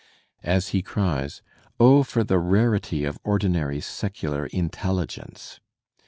As he cries, "Oh, for the rarity of ordinary secular intelligence!"